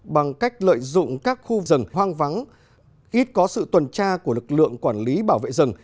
bằng cách lợi dụng các khu rừng hoang vắng ít có sự tuần tra của lực lượng quản lý bảo vệ rừng